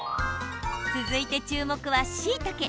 続いて、注目はしいたけ。